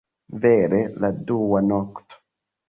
Vere... la dua nokto?